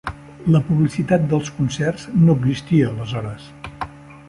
La publicitat dels concerts no existia aleshores.